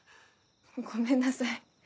ごめんなさい。